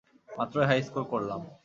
মাত্রই high score করলাম।